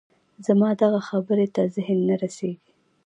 زما دغه خبرې ته ذهن نه رسېږي